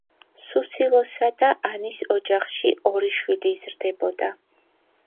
სუსილოსა და ანის ოჯახში ორი შვილი იზრდებოდა.